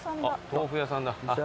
豆腐屋さんだ。